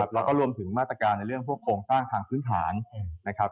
แล้วก็รวมถึงมาตรการในเรื่องพวกโครงสร้างทางพื้นฐานนะครับ